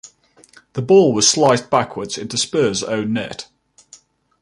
The ball was sliced backwards into Spurs' own net.